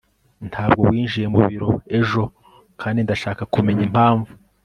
ntabwo winjiye mubiro ejo kandi ndashaka kumenya impamvu